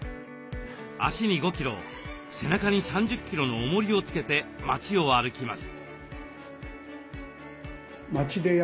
足に５キロ背中に３０キロのおもりをつけて町を歩きます。